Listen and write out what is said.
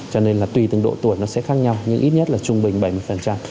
cho nên là tùy từng độ tuổi nó sẽ khác nhau nhưng ít nhất là trung bình bảy mươi